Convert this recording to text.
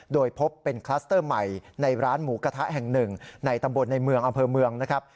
โดยพบเป็นคลัสเตอร์ใหม่ในร้านหมูกระทะแห่งหนึ่งในตำบลในเมืองอำเภอเมืองนะครับ